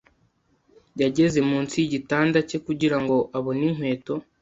yageze munsi yigitanda cye kugirango abone inkweto.